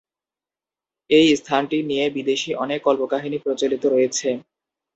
এই স্থানটি নিয়ে বিদেশী অনেক কল্পকাহিনী প্রচলিত রয়েছে।